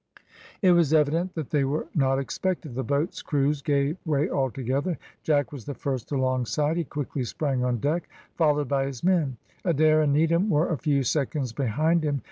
It was evident that they were not expected. The boats' crews gave way altogether. Jack was the first alongside; he quickly sprang on deck, followed by his men; Adair and Needham were a few seconds behind him.